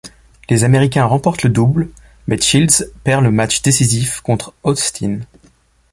Les Américains remportent le double mais Shields perd le match décisif contre Austin.